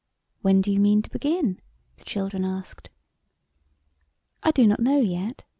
" When do you mean to begin ?" the children asked. "I do not know yet.